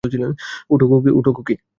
ওঠো, খুকী।